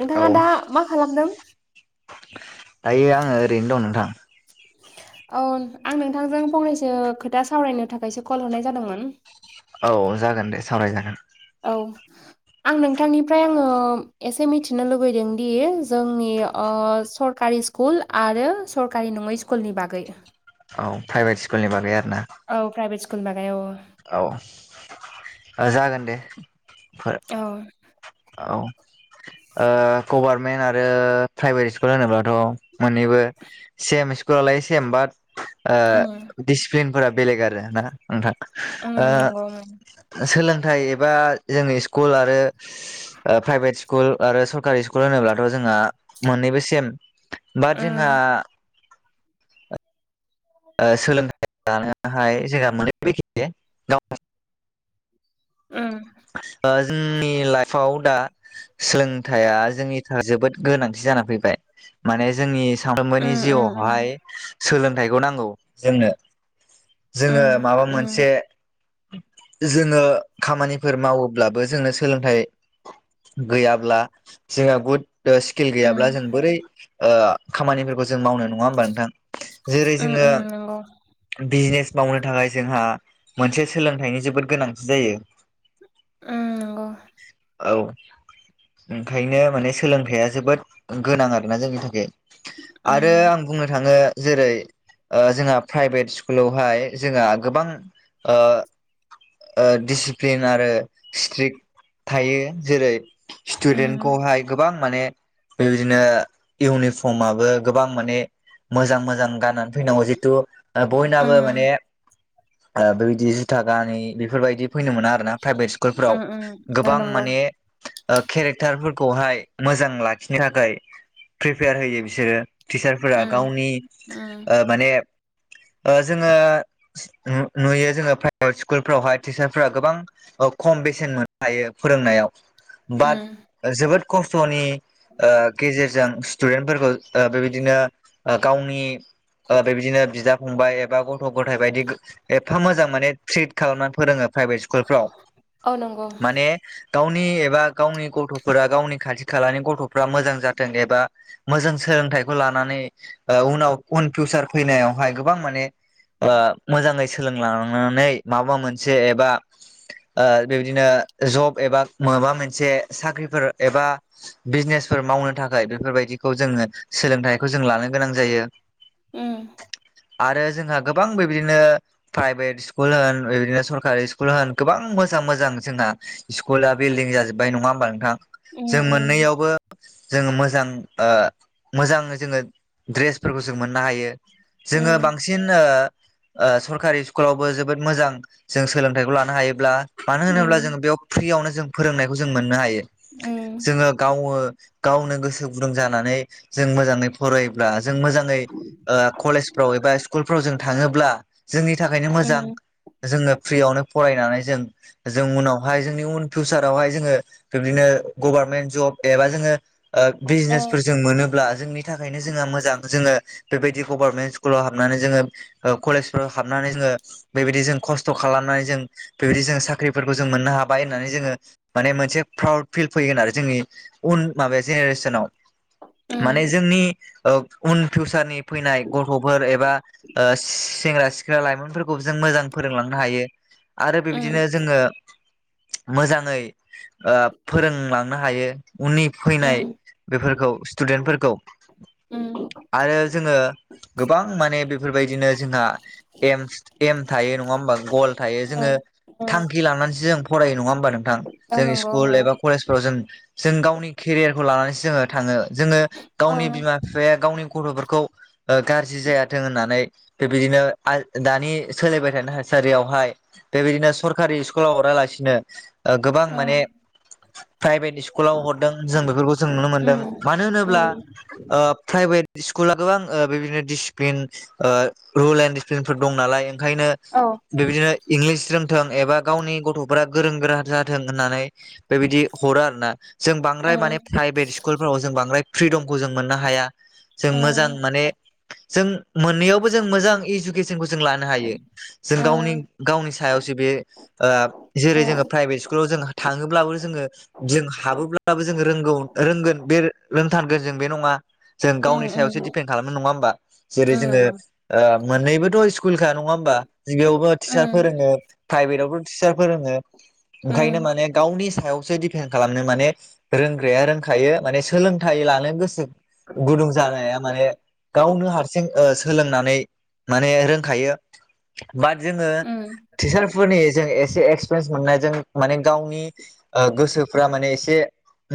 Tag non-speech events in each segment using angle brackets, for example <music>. नोंथाङा औ दा मा खालामदों? दायो आङो ओरैनो दं नोंथां। औ आं नोंथांजों फंनैसो खोथा सावरायनो थाखायसो कल हरनाय जादोंमोन औ जागोन दे सावरायजागोन। औ। आं नोंथांनिफ्राय आङो एसे मिथिनो लुबैदों दि जोंनि ओ सरकारि सु कुल आरो सरकारि नङै स्कुलनि बागै औ प्राइभेट स्कुलनि बागै आरो ना। औ प्राइभेट स्कुल बागै औ। औ ओ जागोन दे। औ। औ। ओ गभारमेन्ट आरो प्राइभेट स्कुल होनोब्लाथ' मोननैबो सेम स्कुलालाय सेम बाट ओ उम दिसिप्लिनफोरा बेलेग आरो ना नोंथां उम ओ नंगौ उम सोलोंथाइ एबा जोनि स्कुल आरो ओ प्राइभेट स्कुल आरो सरकारि स्कुल होनोब्लाथ' जोंहा मोननैबो सेम बाट जोंहा ओ सोलोंथाइ लानो हायनाय जोंहा मोननैबो एखे ओम ओ जोंनि लाइफआव दा सोलोंथाइया जोंनि थाखाय जोबोद गोनांथि जाना फैबाय। माने जोंनि सामफ्रोमबोनि उम उम जिउआवहाय सोलोंथाइखौ नांगौ जोंनो। जोङो उम माबा उम मोनसे जोङो खामानि फोर मावोब्लाबो जोंनो सोलोंथाइ गैयाब्ला जोंहा बुद स्किल गैयाब्ला जों बोरै ओ खामानिफोरखौ जों मावनो नङा हबा नोंथां जेरै उम जोङो उम नंगौ बिजनेस मावनो थाखाय जोंहा मोनसे सोलोंथाइनि जोबोद गोनांथि जायो। ओम नंगौ। औ ओंखायनो माने सोलोंथाइया जोबोद गोनां आरोना जोंनि थाखाय उम आरो आं बुंनो थाङो जेरै ओ जोंहा प्राइभेट स्कुलावहाय जोंहा गोबां ओ ओ दिसि प्लिन आरो स्ट्रिक थायो जेरै उम स्टुदेन्टखौहाय गोबां माने बेबायदिनो इउनिफर्माबबो गोबां माने मोजां मोजां गाननानै फैनांगौ जितु उम बयनाबो माने ओ बेबायदि जुथा गानै बेफोरबायदि फैनो मोना आरो ना। प्राइभेट स्कुलफोराव उम ओ गोबां नंगौ माने ओ केरेक्टारफोरखौहाय मोजां लाखिनो थाखाय प्रिपेर होयो बिसोरो टिचारफोरा उम गावनि उम ओ माने ओ जोङो नु नुयो जोङो प्राइभेट स्कुलफ्रावहाय टिचार फोरा गोबां ओ खम बेसेन मोननो हायो फोरोंनायाव बाट उम जोबोद खस्थ'नि ओ गेजेरजों स्टुदेन्टफोरखौ बेबायदिनो ओ गावनि ओ बेबायदिनो बिदा फंबाय एबा गथ' ग'थाइ बायदि एफा मोजां माने ट्रिट खालामनानै फोरोङो प्राइभेट स्कुलफ्राव औ नंगौ माने गावनि एबा गावनि गथ'फोरा गावनि खाथि खालानि गथ'फ्रा मोजां जाथों एबा मोजां सोलोंथाइखौ लानानै ओ उनाव उन फिउसार फैनायावहाय गोबां माने ओ मोजाङै सोलोंलांनानै माबा मोनसे एबा ओ बेबदिनो जब एबा माबा मोनसे साख्रिफोर एबा बिजनेसफोर मावनो थाखाय बेफोरबायदिखौ जोङो सोलोंथाइखौ जों लानो गोनां जायो उम। आरो जोंहा गोबां बेबायदिनो प्राइभेट स्कुल होन बेबायदिनो सरकारि स्कुल स्कुल होन गोबां मोजां मोजां जोंना स्कुला बिल्डिं जाजोब्बाय नङा होमबा नोंथां। उम जों उम मोननैयावबो जोङो मोजां ओ मोजां जोङो दड्रेसफोरखौ जों मोननो हायो। जोङो उम बांसिन ओ सरकारि ओ स्कुलावबो जोबोद मोजां जों सोलोंथाइखौ लानो हायोब्ला मानो होनोब्ला उम जोङो बेयाव फ्रियावनो जों फोरोंनायखौ जों मोननो हायो। उम जोङो गावो गावनो गोसो गुदुं जानानै जों मोजाङै फरायोब्ला जों मोजाङै ओ कलेज फ्राव एबा स्कुलफ्राव जों थाङोब्ला जोंनि थाखायनो मोजां। उम जोङो फ्रियावनो फरायनानै जों जों उनावहाय जोंनि उन फिउसारावहाय जोङो बिब्दिनो गभारमेन्ट जब एबा जोङो ओ ओ बिजिनेसफोर जों मोनोब्ला जोंनि थाखायनो जोंहा मोजां जोङो बेबायदि गभर्नमेन्ट स्कुलाव हाबनानै जोङो ओ कलेजफोराव हाबनानै जोङो बेबायदि जों खस् थ खालामनानै जों बेबायदि जों साख्रिफोरखौ जों मोननो हाबाय होननानै जोङो माने मोनसे प्राउड फिल फैगोन आरो जोंनि उन माबाया जेनेरेसनाव। माने उम जोंनि ओ उन फिउचारनि फैनाय गथ'फोर एबा ओ सेंग्रा सिख्ला लाइमोनफोरखौ जों मोजां फो रोंलांनो हायो आरो उम बेबायदिनो जोङो मोजाङै ओ फोरोंलांनो हायो उननि फैनाय उम बेफोरखौ स्टुडेन्टफोरखौ उम आरो जोङो गोबां माने बेफोरबायदिनो जोंहा एमस एम थायो न नङा होमबा गल थायो ओ जोङो ओ थांखि लानानैसो जों फरायो नङा होमबा नों थां औ जों नंगौ स्कुल एबा कलेजफ्राव जों जों गावनि केरियारखौ लानानैसो जोङो थाङो। जोङो ओ गावनि बिमा बिफाया गावनि गथ'फोरखौ ओ गाज्रि जायाथों होननानै बेबायदिनो आइ दानि सोलायबाय थानो हायो। ससारियावहाय बेबायदिनो सरकारि स्कुलाव होरालासिनो ओ गोबां माने प्राइभेट स्कुलाव हरदों जों बेफोरखौ जों नुनो मोनदों। उम मानो होनोब्ला उम ओ प्राइभेट स्कुला गोबां ओ बिदिनो दिडिसिप्लिन ओ रुल एन्ड डिसिप्लिनफोर दं नालाय ओंखायनो औ बेबायदिनो इंलिस रोंथों एबा गावनि गथ'फोरा गोरों गोरा जाथों होननानै बे बिदि हर आरो ना। जों बांद्राय माने उम प्राइभेट स्कुलफोराव जों बांद्राय फ्रिदमखौ जों मोननो हाया। जों मोजां उम माने जों मोननैयावबो जों मोजां इडुकेसनखौ जों लानो हायो। जों गावनि उम गावनि सायावसो बे ओ उम जेरै जोङो प्राइभेट स्कुलाव जों थाङोब्लाबो जोङो जों हाबोब्लाबो जों रोंगौ रोंगोन बे रोंथारगोन जों बे नङा? जों गावनि उम सायावसो उम डपेन्ड खालामनो नङा होमबा? उम जेरै जोङो नंगौ ओ मोननैबोथ' स्कुलखा नङा होमबा गबियावबो टिचार उम फोरोङो प्राइभेटावबो' टिचार फोरोङो ओंखायनो उम माने गावनि सायावसो दि सिसन खालामनो माने रोंग्राया रोंखायो माने सोलोंथाइ लानो गोसो गुदुं जानाया माने गावनो हारसिं ओ सोलोंनानै माने रोंखायो। बाट जोङो उम टिचारफोरनि जों एसे एक्सपिरियेन्स मोननाय जों माने गावनि ओ गोसोफ्रा माने एसे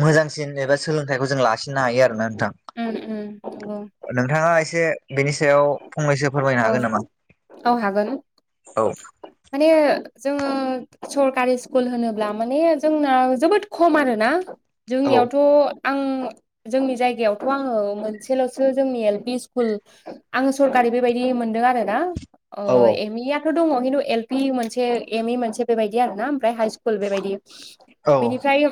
मोजांसिन एबा सोलोंथाइखौ जों लासिननो हायो आरो ना नोंथां। उम उम नंगौ नोंथाङा एसे बेनि सायाव फंनैसो फोरमायनो औ हागोन नामा। औ हागोन औ माने जोङो सरकारि स्कुल होनोब्ला माने जोंना जोबोद खम आरोना औ जोंनियावथ' आं जोंनि जायगायावथ' आङो मोनसेल'सो जोंनि एल पि स्कुल आङो सरकारि बेबायदि मोनदों आरो ना ओ औ एमिया थ' दङ खिन्थु एल पि मोनसे एमइ मोनसे बेबायदि आरो ना ओमफ्राय हाइ स्कुल बेबायदि औ बिनिफ्रायो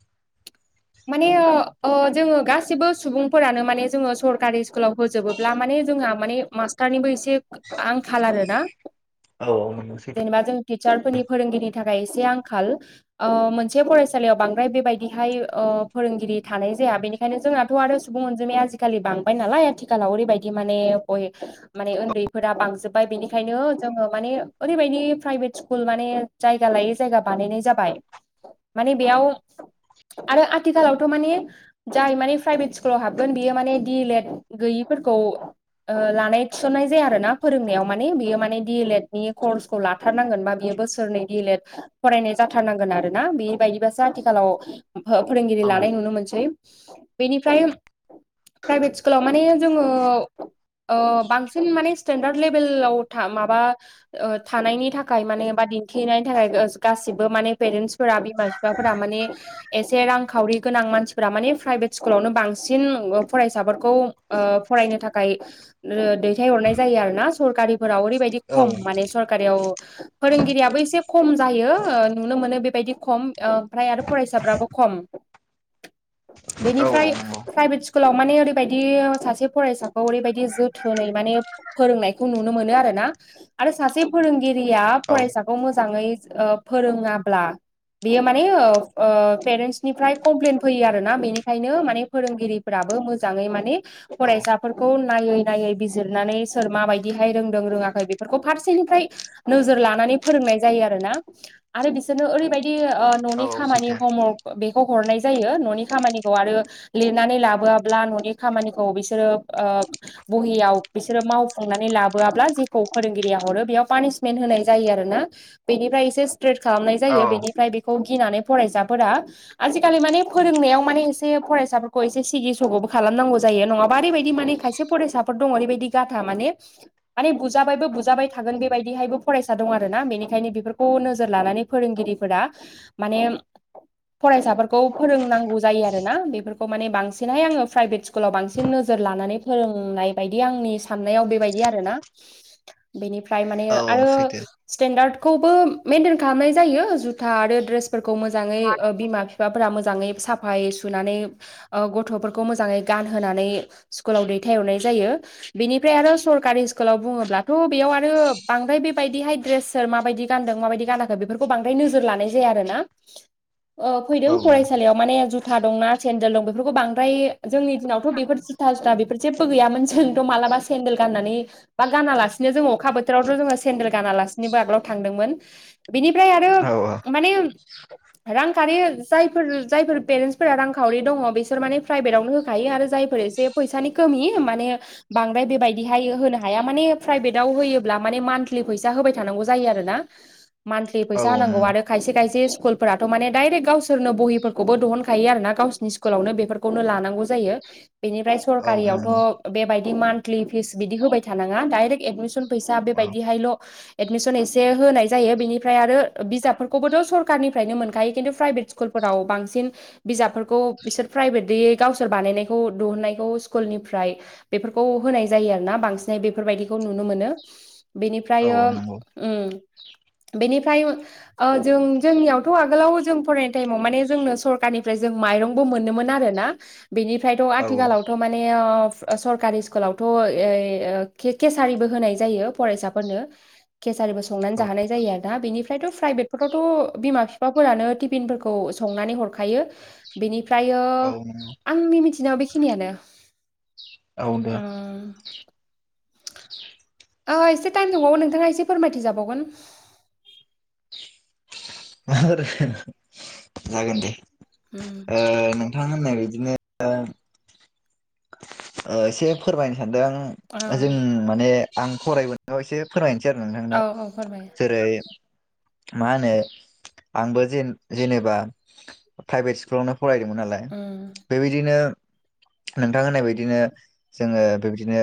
<inaudible> माने ओ ओ जोङो गासिबो सुबुंफोरानो माने जोङो सरकारि स्कुलाव होजोबोब्ला माने जोंहा माने मास्टारनिबो एसे आंखाल आरोना औ औ नंगौ सैथो जेनेबा जों टिचारफोरनि फोरोंगिरिनि थाखाय एसे आंखाल ओ मोनसे फरायसालियाव बांद्राय बेबायदिहाय ओ फोरोंगिरि थानाय जाया बेनिख ओंखायनो जोंनाथ' आरो सुबुं अनजिमाया आजिखालि बांबाय नालाय आथिखालाव ओैबायदि माने बय माने उन्दैफोरा बांजोब ओमफ्राय बेनिखायनो जोङो माने ओरैबायदि प्राइभेट स्कुल माने जायगा लायै जायगा बानायनाय जाबाय माने बेयाव आरो आथिखालावथ' माने जाय माने प्राइभेट स्कुलाव हाबगोन बियो माने डि एल एड गैयिफोरखौ ओ लानाय थिसननाय जायो आरो ना फोरोंनायाव माने बेयो माने डि एल एड नि कर्सखौ ला थाथारनांगोन बा बियो बोसोरनै डि एल एट फरायनाय जाथारनांगोन आरो ना बेबायायदिबासो आथिखालाव औ फोरोंगिरि लानाय नुनो मोनसै बेनिफ्राय प्राइभेट स्कुलाव माने जोङो ओ बांसिन माने स्टेेनडार्द लेभेलाव था माबा ओ थानायनि थाखाय मानेबा दिन्थिनायनि थाखाय गासिबो माने पेरेन्टसफोरा बिमा बि फा माने एसे रांखावरि गोनां मानसिफोरा माने प्राइभेट स्कुलावनो बांसिन फरायसाफोरखौ ओ फरायनो थाखाय ओ दैथायहरनाय जायो आरो ना सरकारिफोराव ओरैबायदि औ खम माने सरकारियाव फोरोंगिरियाबो एसे खम जायो ओ नुनो मोनो बेबायदि खम ओ ओमफ्राय आरो फरायसाफ्राबो खम <inaudible> औ औ बेनिफ्राय नंगौ प्राइभेट स्कुलाव माने ओरैबायदि सासे फरायसाखौ ओरैबायदि जथ थोनै माने फोरोंनायखौ नुनो मोनो आरोना आरो सासे फोरोंगिरिया औ औ फरायसा खौ मोजाङै ओ फोरोङाब्ला बेयो माने ओ ओ पेरेन्टसनिफ्राय कमप्लेन फैयो आरो ना बेनिखायनो माने फोरोंगिरिफ्राबो मोजाङै माने फरायसाफोरखौ नायै नायै बिजिरनानै सोर माबायदिहाय रोंदों रोङाखै बेफोरखौ फारसेनिफ्राय नोजोर लानानै फोरोंनाय जायो आरोना आरो बिसोरनो ओरैबायदि बिदि ओ न'नि औ खामानि दे हमवर्क बेखौ हरनाय जायो न'नि खामानिखौ आरो लिरनानै लाबोआाबब्ला न'नि खामानिखौ बिसोरो ओ बहियाव बिसोरो मावफुंनानै लाबोआब्ला जेखौ फोरोंगिरिया हरो बेयाव पानिसमेन्ट होनाय जायो आरो ना बेनिफ्राय एसे स्ट्रेट खालामनाय जायो बेनिफ्राय बेखौ गिनानै फरायसाफोरा आजिखालि माने फोरोंनायाव माने एसे फरायसाफोरखौ एसे सिगिसग'बो खालामनांगौ जायो नङाबा ओरैबायदि माने खायसे फरायसाफोर दङ ओरैबायदि गाधा माने माने बुजाबायबो बुजाबाय थागोन बेबायदिहायबो फरायसा दं आरो ना बेनिखायनो बेफोरखौ नोजोर लानानै फोरोंगिरिफोरा माने फरायसाफोरखौ फोरोंनांगौ जायो आरोना बेफोरखौ माने बांसिनहाय आङो प्राइभेट स्कुल स्कुल आाव बांसिन नोजोर लानानै फोरोंनाय बायदि आंनि साननायाव बेबायदि आरोना बेनिफ्राय माने औ आरो सैथो स्टेेनडार्दखौबो मेेनटेन खालामनाय जायो जुथा आरो ड्रेसफोरखौ मोजाङै ओ बिमा बिफा बिफाफोरा मोजाङै साफायै सुनानै ओ गथ'फोरखौ मोजाङै गानहोनानै स्कुलाव दैथायहरनाय जायो। बेनिफ्राय आरो सरकारि स्कुलाव बुङोब्लाथ' बेयाव आरो बांद्राय बेबायदिहाय ड्रेस सोर माबायदि गानदों माबायदि गानाखै बेफोरखौ बांद्राय नोजोर लानाय जाया आरो ना <inaudible> ओ औ फैदों फरायसालियाव माने जु जुथा दं ना सेन्देल दं बेफोरखौ बांद्राय जोंनि दिनावथ' बेफोर जुथा था बेफोर जेबो गैयामोन जोंथ' मालाबा सेन्देल गाननानै बा गानालासिनो जोङो अखा बोथोरावथ' जोङो सेन्देल गानालासिनोबो आगोलाव थांदोंमोन। बिनिफ्राय आरो औ माने रांखावरि जायफोर जायफोर पेरेन्टसफोरा रांखावरि दङ बिसोर माने प्राइभेटआवनो हो खायो आरो जायफोर एसे फैसानि कमि माने बांद्राय बेबायदिहाय होनो हाया माने प्राइभेटाव होयोब्ला माने मान्थलि फैसा होबाय थानांगौ जायो आरो ना मान्थलि औ फैसा होनांगौ नंगौ आरो खायसे खायसे स्कुलफोराथ' माने डाइरेक्ट गावसोरनो बहिफोरखौबो दिहुनखायो आरोना गावसोर नि स्कुलावनो बेफोरखौनो लानांगौ जायो बेनिफ्राय औ नंगौ सरकारियावथ' बेबायदि मान्थलि फिस बिदि होबाय थानाङा डाइरेक्ट एडमिसन फैसा औ बेबायदिहायल' एडमिसन एसे होनाय जायो बेनिफ्राय आरो बिजाबफोरखौबोथ' सरखारनिफ्रायनो मोनखायो खिन्थु प्राइभेट स्कुल स्कुलफोराव बांसिन बिजाबफोरखौ बिसोर प्राइभेटयै गावसोर बानायनायखौ दुहुननायखौ स्कुलनिफ्राय बेफोरखौ होनाय जायो आरोना बांसिनै बेफोरबायदिखौ नुनो मोनो। औ बेनिफ्राय ओम नंगौ बेनिफ्राय ओ जों जोंनियावथ' आगोलाव जों फरायनाय टाइमाव माने जोंनो सरखारनिफ्राय जों माइरं बो मोनोमोन आरोना बेनिफ्रायथ' औ आथिखालाव थ' माने ओ सरकारि स्कुलावथ' केसारिबो होनाय जायो फरायसाफोरनो। केसारिबो संनानै जाहोनाय जायो आरोना बेनिफ्रायथ' प्राइभेटफोरावथ' बिमा बिफाफोरानो तिफिनफोरखौ संनानै हरखायो। बेनिफ्रायो औ नंगौ आंनि मिथिनायाव बेखिनियानो औ दे ओ। ओ एसे टाइम दंबावो नोंथाङा एसे फोरमायथिजाबावगोन। जागोनदे। उम। ओ नोंथाङा होननाय बायदिनो दा ओ एसे फोरमायनो सानदों ओ आं जों माने आं फरायबोना एसे फोरमायनोसै आरो औ नोंथांनो औ फोरमाय जेरै मा होनो आंबो जेन जेनेबा प्राइभेट स्कुलावनो फरायदोंमोन नालाय ओम। बेबायदिनो नोंथां होननाय बायदिनो जोङो बेबायदिनो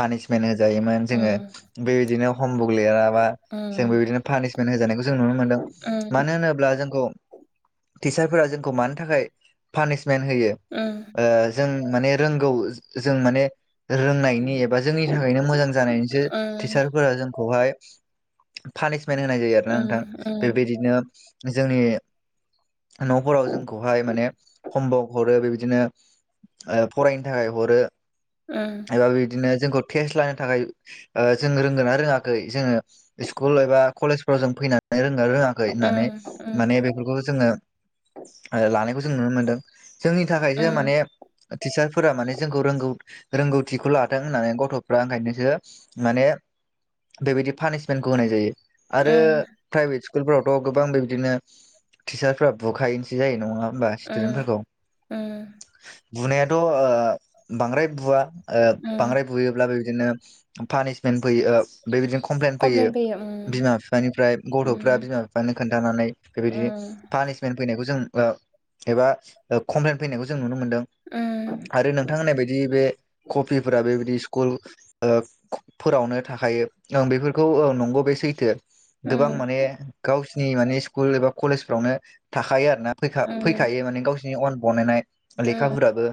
पानिसमेन्ट होजायोमोन जोङो उम बेबायदिनो हमबुक लिराबा जों बेबायदिनो पानिसमेन्ट होजानायखौ जों नुनो मोन्दों मानो होनोब्ला जोंखौ टिचारफोरा जोंखौ मानि थाखाय पानिसमेन्ट होयो ओम। ओ जों माने रोंगौ जों माने रोंनायनि एबा जोंनि थाखायनो मोजां जानायनिसो टिचारफोरा जोंखौहाय पानिसमेन्ट होनाय जायो आरोना नोंथां बेबायदिनो जोंनि न'फोराव जोंखौहाय माने हम वर्क हरो बेबायदिनो फरायनो थाखाय हरो। ओम एबा बिदिनो जोंखौ टेस्ट लानो थाखाय ओ जों रोंगोनना रोङाखै जोङो स्कुल एबा कलेजफ्राव जों फैनानै रोङो रोङाखै खै होननानै माने बेफोरखौ जोङो लानायखौ जों नुनो मोनदों। जोंनि थाखायसो माने टिचारफोरा माने जोंखौ रोंगौ रोंगौथिखौ लाथों होननानै गथ'फ्रा ओंखायनोसो माने बेबायदि पानिसमेन्टखौ होनाय जायो आरो प्राइभेट स्कुलफोरावथ' गोबां बेबादिनो टिचारसफोरा बुखायोनोसै जायो नङा होमबा स्टुदेन्टफोरखौ बुनायाथ' ओ बांद्राय बुवा ओ बांद्राय बुयोब्ला बेबायदिनो पानिसमेन्ट फैयो ओ बेबायदिनो कमप्लेन फैयो बिमा बिफानिफ्राय गथ'फ्रा बिमा बिफानो खोन्थानानै बेबायदि पानिस मेन फैनायखौ जों एबा कमप्लेन फैनायखौ जों नुनो मोन्दों। ओम आरो नोंथां होननाय बायदि बे कपिफोरा बेबायदि स्कुल ओ फोरावनो थाखायो ओं बेफोरखौ ओ नंगौ बे सैथो। गोबां माने गावसिनि माने स्कुल एबा कलेज फोरावनो थाखायो आरो ना फैखा फैखायो माने गावसोरनि अन बनायनाय लेखाफोराबो